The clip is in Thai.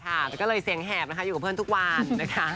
แล้วก็เลยเสียงแหบนะคะอยู่กับเพื่อนทุกวันนะคะ